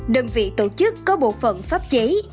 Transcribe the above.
đơn vị tổ chức có bộ phận pháp giấy